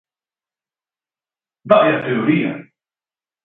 ¡Vaia teoría!